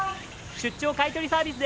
出張買い取りサービス